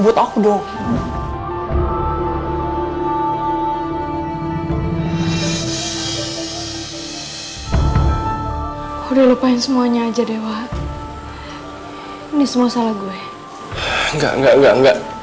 sama aku dong udah lupain semuanya aja dewa ini semua salah gue enggak enggak enggak enggak